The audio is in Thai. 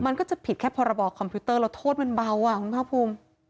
มันก็จะผิดแค่พอเราบอกคอมพิวเตอร์เราโทษมันเบาอ่ะคุณพ่อภูมิ